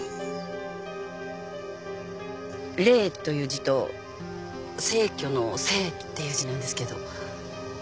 「霊」という字と逝去の「逝」っていう字なんですけど。